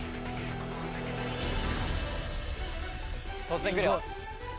突然くるよ。